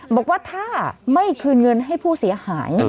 บอกว่าถ้าไม่คืนเงินให้ผู้เสียหาย